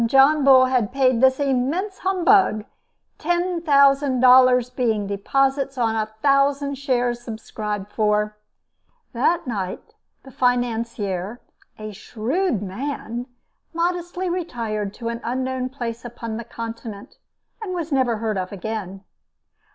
John Bull had paid this immense humbug $10,000, being deposits on a thousand shares subscribed for. That night, the financier a shrewd man! modestly retired to an unknown place upon the Continent, and was never heard of again.